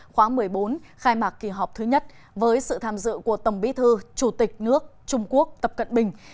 khóa một mươi bốn khai mạc kỳ họp thứ nhất với sự tham dự của tổng bí thư chủ tịch nước trung quốc tập cận bình